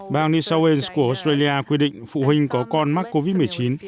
bang new south wales của australia quy định phụ huynh có con mắc covid một mươi chín